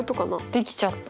できちゃった。